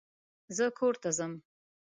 زه کور ته ځم